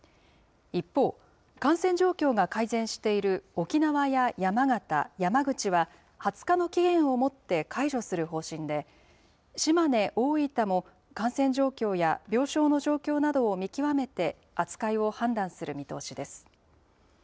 一方、感染状況が改善している沖縄や山形、山口は、２０日の期限をもって解除する方針で、島根、大分も感染状況や病床の状況などを見極めて扱いを判断する見通しです。